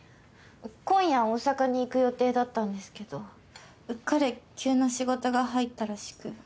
今夜大阪に行く予定だったんですけど彼急な仕事が入ったらしく。